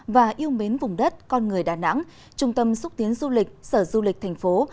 và yêu mến vùng đất con người đà nẵng trung tâm xúc tiến du lịch sở du lịch thành phố